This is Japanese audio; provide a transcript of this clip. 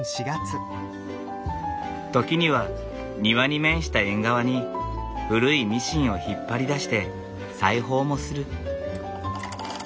時には庭に面した縁側に古いミシンを引っ張り出して裁縫もする。